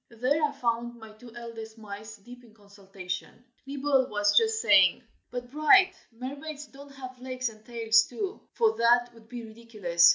There I found my two eldest mice deep in consultation. Nibble was just saying, "but, Bright, mermaids don't have legs and tails, too, for that would be ridiculous.